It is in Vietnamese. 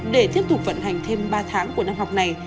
để tiếp tục vận hành thêm ba tháng của năm học này